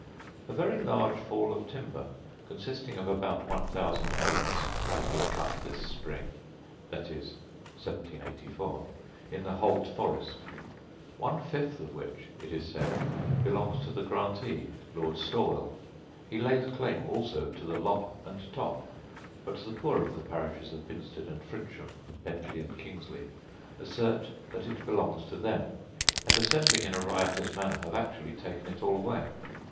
A very large fall of timber, consisting of about one thousand oaks, has been cut this spring (viz., 1784) in the Holt forest; one fifth of which, it is said, belongs to the grantee, Lord Stawel. He lays claim also to the lop and top: but the poor of the parishes of Binsted and Frinsham, Bentley and Kingsley, assert that it belongs to them; and, assembling in a riotous manner, have actually taken it all away.